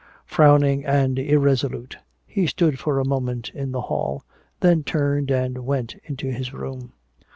Frowning and irresolute, he stood for a moment in the hall, then turned and went into his room.